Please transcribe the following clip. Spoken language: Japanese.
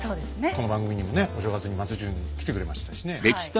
この番組にもねお正月に松潤来てくれましたしね。